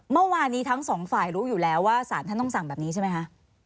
เมื่อวานนี้ทั้งสองฝ่ายรู้อยู่แล้วว่าสารท่านต้องสั่งแบบนี้ใช่ไหมคะ